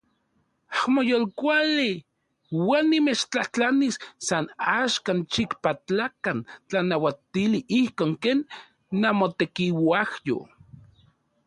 Amo yolkuali uan nimechtlajtlanis san axkan xikpatlakan tlanauatili ijkon ken namotekiuajyo.